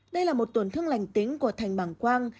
đây là một tuần thương lành tính của thành bằng quang